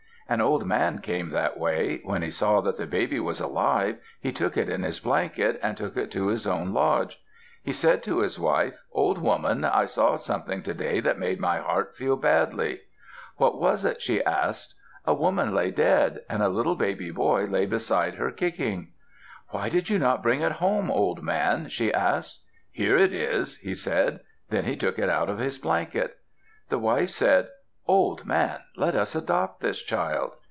An old man came that way. When he saw that the baby was alive, he took it in his blanket and took it to his own lodge. He said to his wife, "Old woman, I saw something today that made my heart feel badly." "What was it?" she asked. "A woman lay dead; and a little baby boy lay beside her kicking." "Why did you not bring it home, old man?" she asked. "Here it is," he said. Then he took it out of his blanket. The wife said, "Old man, let us adopt this child."